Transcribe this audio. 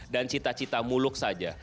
dan cita cita muluk saja